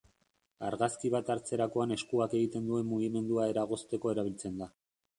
Argazki bat hartzerakoan eskuak egiten duen mugimendua eragozteko erabiltzen da.